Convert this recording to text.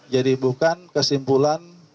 jadi bukan kesimpulan